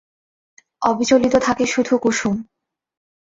অবিচলিত থাকে শুধু কুসুম।